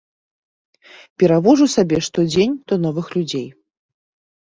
Перавожу сабе што дзень, то новых людзей.